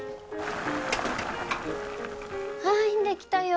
はいできたよ。